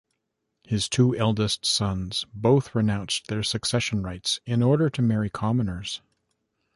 His two eldest sons both renounced their succession rights in order to marry commoners.